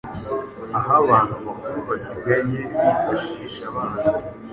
aho abantu bakuru basigaye bifashisha abana